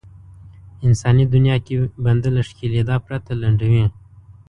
انساني دنيا کې بنده له ښکېلېدا پرته لنډوي.